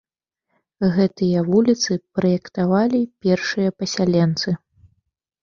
Гэтыя вуліцы праектавалі першыя пасяленцы.